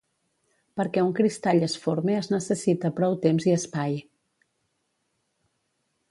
Perquè un cristall es forme es necessita prou temps i espai.